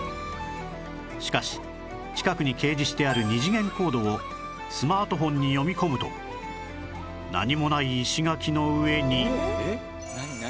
しかし近くに掲示してある二次元コードをスマートフォンに読み込むと何もない石垣の上に